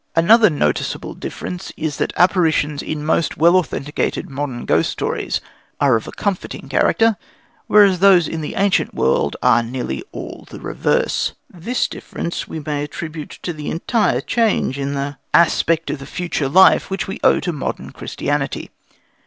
Another noticeable difference is that apparitions in most well authenticated modern ghost stories are of a comforting character, whereas those in the ancient world are nearly all the reverse. This difference we may attribute to the entire change in the aspect of the future life which we owe to modern Christianity.